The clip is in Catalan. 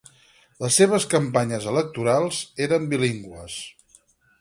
Les seves campanyes electorals eren bilingües.